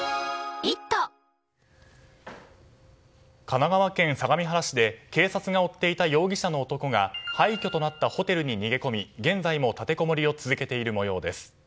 神奈川県相模原市で警察が追っていた容疑者の男が廃墟となったホテルに逃げ込み現在も立てこもりを続けている模様です。